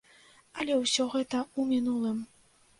Але ўсё гэта ў мінулым.